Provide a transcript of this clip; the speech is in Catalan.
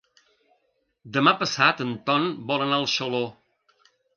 Demà passat en Ton vol anar a Xaló.